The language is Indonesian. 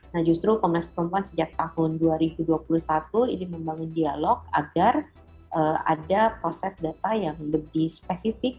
nah justru komnas perempuan sejak tahun dua ribu dua puluh satu ini membangun dialog agar ada proses data yang lebih spesifik